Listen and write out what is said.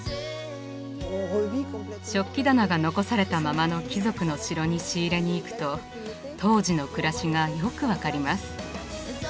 食器棚が残されたままの貴族の城に仕入れに行くと当時の暮らしがよく分かります。